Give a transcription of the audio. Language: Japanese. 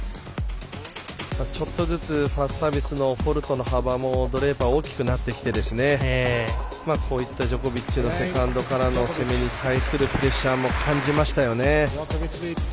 ちょっとずつファーストサービスのフォールトの幅もドレイパー大きくなってきてジョコビッチのセカンドからの攻めに対するプレッシャーも感じましたよね。